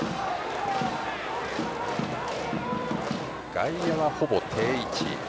外野はほぼ定位置。